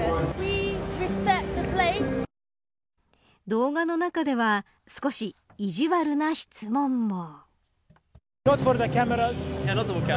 動画の中では少し意地悪な質問も。